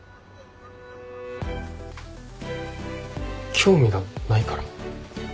興味がないから。